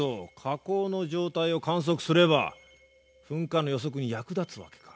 火口の状態を観測すれば噴火の予測に役立つわけか。